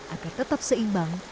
agar tetap seimbang